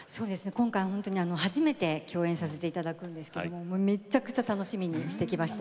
今回ほんとに初めて共演させて頂くんですけどもうめっちゃくちゃ楽しみにしてきました。